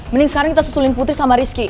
mending sekarang kita susulin putri sama rizky